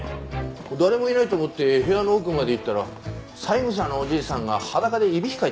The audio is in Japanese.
誰もいないと思って部屋の奥まで行ったら債務者のおじいさんが裸でいびきかいて寝てたりして。